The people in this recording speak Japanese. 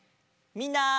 みんな。